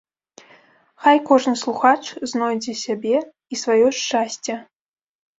Хай кожны слухач знойдзе сябе і сваё шчасце.